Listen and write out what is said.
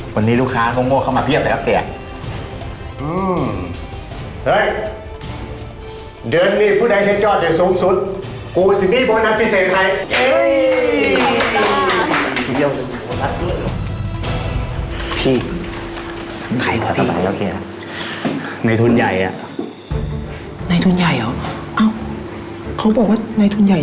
วันนี้ลูกค้าของพวกเขามาเพียบแล้วครับเสียอืมเฮ้ย